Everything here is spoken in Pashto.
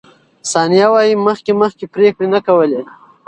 ثانیه وايي، مخکې مخکې پرېکړې نه کولې.